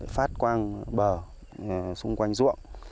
phát quang bờ xung quanh ruộng